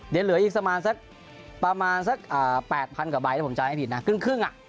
เดี๋ยวเหลืออีกประมาณ๘๐๐๐กว่าใบแต่ผมจารย์ให้ผิดนะครึ่งครึ่ง